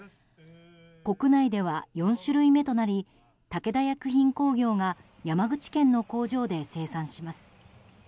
国内では４種類目となり武田薬品工業が山口県の工場で生産します。